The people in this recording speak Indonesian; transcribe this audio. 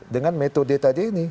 dengan metode tadi ini